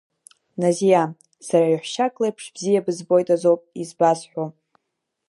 Назиа сара еиҳәшьак леиԥш бзиа бызбоит азоуп избасҳәо.